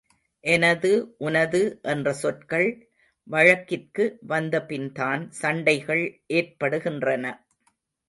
எனது உனது என்ற சொற்கள் வழக்கிற்கு வந்த பின்தான் சண்டைகள் ஏற்படுகின்றன.